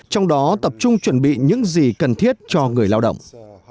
trong đó tập trung chuẩn bị những gì cần thiết cho người lao động